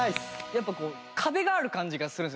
やっぱこう壁がある感じがするんですよ